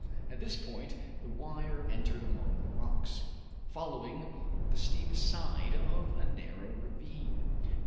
At this point the wire entered among the rocks, following the steep side of a narrow ravine.